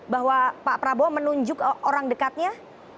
bahwa pak prabowo menunjuk orang dekatnya